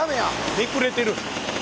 めくれてる。